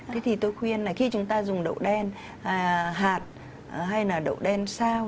thế thì tôi khuyên là khi chúng ta dùng đậu đen hạt hay là độ đen sao